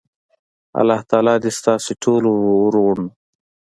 الله تعالی دی ستاسی ټولو ورونو